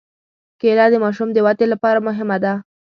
کېله د ماشوم د ودې لپاره مهمه ده.